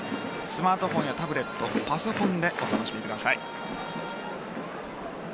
スマートフォンやタブレットパソコンでお楽しみください。